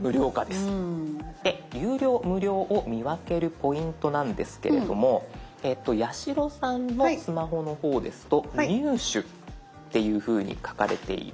有料無料を見分けるポイントなんですけれども八代さんのスマホの方ですと「入手」っていうふうに書かれている。